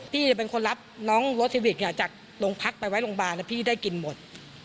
พี่เป็นคนรับน้องรถทิวิตเนี่ยจากโรงพักไปไว้โรงพยาบาลพี่ได้กินหมด